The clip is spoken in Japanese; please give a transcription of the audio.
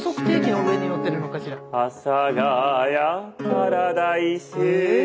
「阿佐ヶ谷パラダイス」